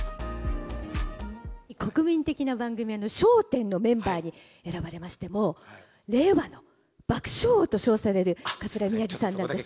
国民的な番組、笑点のメンバーに選ばれまして、もう令和の爆笑王と称される桂宮治さんなんですけれども。